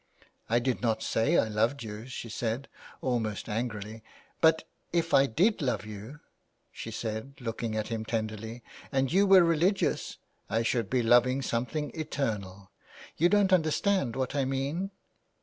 " I did not say I loved you," she said, almost angrily ;" but, if I did love you," she said, looking at him tenderly, " and you were religious, I should be loving something eternal. You don't understand what I mean